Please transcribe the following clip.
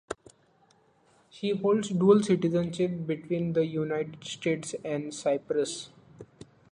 She holds dual citizenship between the United States and Cyprus.